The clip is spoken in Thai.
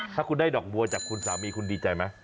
ถ้าคุณได้ดอกบัวจากคุณสามีคุณดีใจไหม